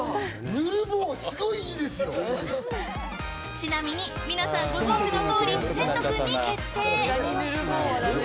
ちなみに皆さんご存知の通り、せんとくんに決定。